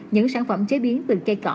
những sản phẩm chế biến từ cây cỏ